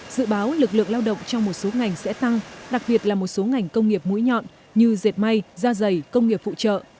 dự báo lực lượng lao động trong một số ngành sẽ tăng đặc biệt là một số ngành công nghiệp mũi nhọn như dệt may da dày công nghiệp phụ trợ